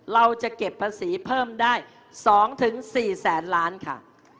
เราจะเก็บภาษีเพิ่มได้๒๔แสนล้านค่ะ